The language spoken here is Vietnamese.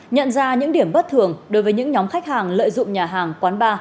nhận ra những điểm bất thường đối với những nhóm khách hàng lợi dụng nhà hàng quán bar